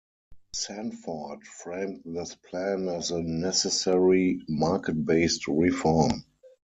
Sanford framed this plan as a necessary market-based reform.